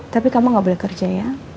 tapi kamu gak boleh kerja ya